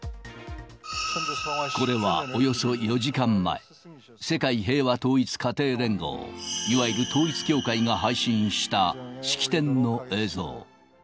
これはおよそ４時間前、世界平和統一家庭連合、いわゆる統一教会が配信した式典の映像。